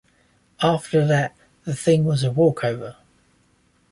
After that the thing was a walk over.